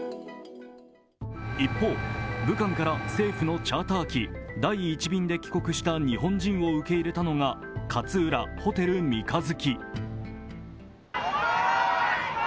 一方、武漢から政府のチャーター機第１便で帰国した日本人を受け入れたのが勝浦ホテル三日月。